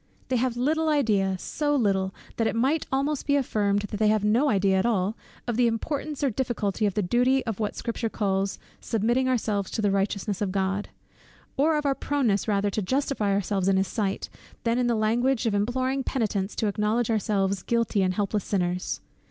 They have little idea, so little, that it might almost be affirmed that they have no idea at all, of the importance or difficulty of the duty of what the Scripture calls "submitting ourselves to the righteousness of God;" or of our proneness rather to justify ourselves in his sight, than in the language of imploring penitents to acknowledge ourselves guilty and helpless sinners.